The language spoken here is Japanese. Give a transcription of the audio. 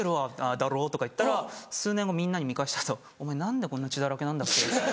「だろ？」とか言ってたら数年後みんなで見返して「お前何でこんな血だらけなんだっけ」。